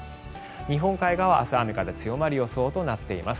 日本海側は明日雨風強まる予想となっています。